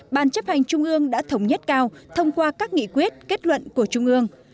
ban chấp hành trung ương đã thống nhất cao thông qua các nghị quyết kết luận của trung ương